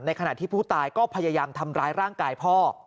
ขณะที่ผู้ตายก็พยายามทำร้ายร่างกายพ่อ